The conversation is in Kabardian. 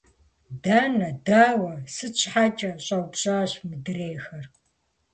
- Дэнэ? Дауэ? Сыт щхьэкӀэ? – щӀэупщӀащ мыдрейхэр.